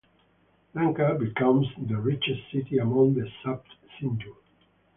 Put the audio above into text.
Lanka becomes the richest city among the Sapt Sindhu.